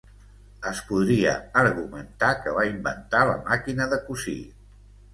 Es podria argumentar que va inventar la màquina de cosir.